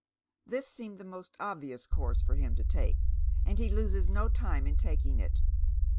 This seemed the mot't obvious course for him to take, and he loses no time in taking it.